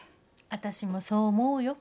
私もそう思うよ。